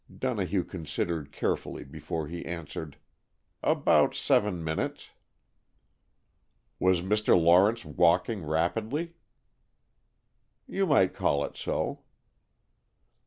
Donohue considered carefully before he answered, "About seven minutes." "Was Mr. Lawrence walking rapidly?" "You might call it so."